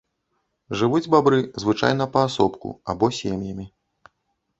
Жывуць бабры звычайна паасобку або сем'ямі.